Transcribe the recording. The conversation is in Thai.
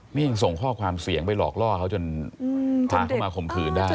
นี่ยังส่งข้อความเสียงไปหลอกล่อเขาจนพาเข้ามาข่มขืนได้